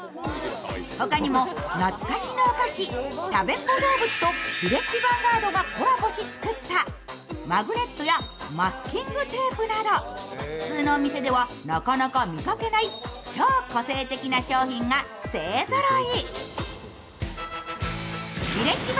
他にも懐かしのお菓子、たべっ子どうぶつとヴィレッジヴァンガードがコラボし作ったマグネットやマスキングテープなど普通のお店では見かけない超個性的な商品が勢ぞろい。